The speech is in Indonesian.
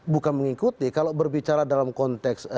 bukan mengikuti kalau berbicara dalam konteks